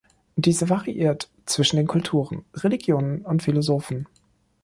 Diese variiert zwischen den Kulturen, Religionen und Philosophen.